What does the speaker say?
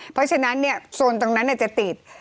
เพราะฉะนั้นโซนตรงนั้นจะติด